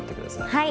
はい。